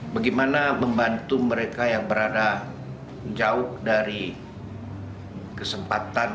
bagaimana membantu mereka yang berada jauh dari kesempatan